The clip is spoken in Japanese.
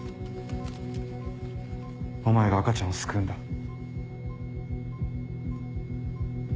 お前が赤ちゃんを救うんだ。